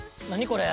これ」